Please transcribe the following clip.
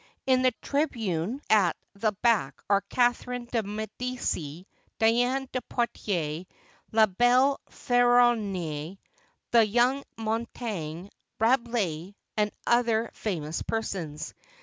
In the tribune at the back are Catharine de' Medici, Diane de Poitiers, la belle Feronniere, the young Montaigne, Rabelais, and other famous persons.